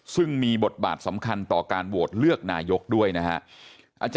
ซึ่งมีบทบาทสำคัญต่อการโหวตเลือกนายกด้วยนะฮะ